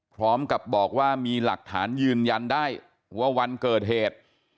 พร้อมกับบอกว่ามีหลักฐานยืนยันได้ว่าวันเกิดเหตุ